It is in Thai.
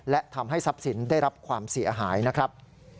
และทำให้ทรัพย์สินได้รับความเสียหายนะครับ